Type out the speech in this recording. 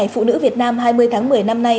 phụ nữ việt nam hai mươi tháng một mươi năm nay